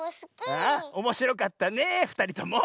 おもしろかったねふたりとも。